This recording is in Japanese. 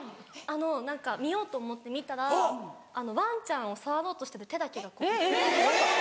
あの何か見ようと思って見たらワンちゃんを触ろうとしてる手だけがこう映ってて。